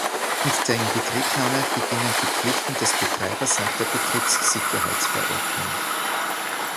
Mit der Inbetriebnahme beginnen die Pflichten des Betreibers nach der Betriebssicherheitsverordnung.